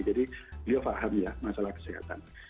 jadi beliau paham ya masalah kesehatan